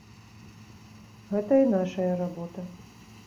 Гэта і нашая работа.